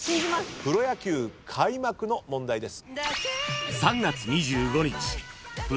プロ野球開幕の問題です。